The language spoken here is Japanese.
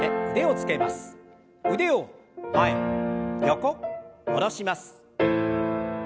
腕を前横下ろします。